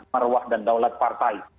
marwah dan daulat partai